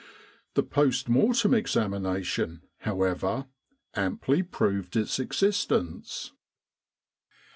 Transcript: The post mortem examination, however, amply proved its existence.